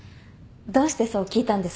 どうしてそう聞いたんです？